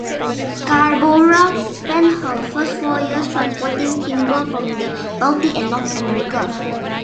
"Scarborough" spent her first four years transporting timber from the Baltic and North America.